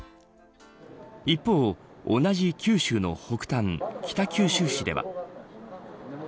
一方、同じ九州の北端北九州市では。